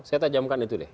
saya tajamkan itu deh